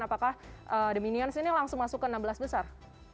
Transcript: apakah the minions ini langsung masuk ke enam belas besar